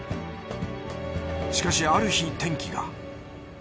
しかしある日転機が。